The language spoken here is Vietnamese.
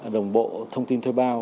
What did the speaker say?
đồng bộ thông tin thuê bao